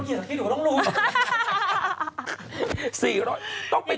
น้ำของคนเกี่ยวกับที่หนูก็ต้องรู้